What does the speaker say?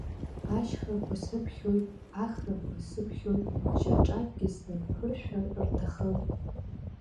Ашьхақәа сыԥхьоит, ахрақәа сыԥхьоит, шьаҿакгьы снарԥыршәар рҭахым.